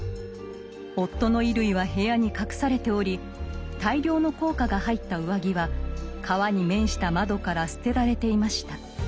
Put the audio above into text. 夫の衣類は部屋に隠されており大量の硬貨が入った上着は川に面した窓から捨てられていました。